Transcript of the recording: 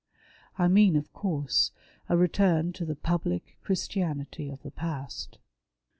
I mean of course a return to the public Christianity of the past.